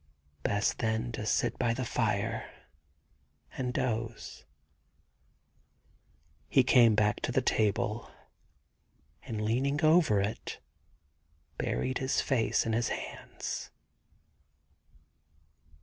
Best, then, to sit by the fire and doze ! He came back to the table, and leaning over it, buried his face in his hands.